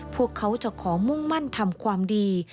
พวกเขาจะขอมุ่งมั่นทำความดี